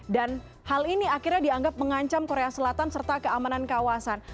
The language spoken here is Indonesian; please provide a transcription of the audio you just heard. dan hal ini akhirnya dianggap mengancam korea selatan serta keamanan kawasan